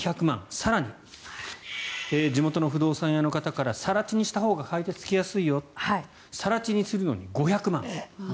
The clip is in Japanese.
更に、地元の不動産屋の方から更地にしたほうが買い手がつきやすいよ更地にするのに５００万。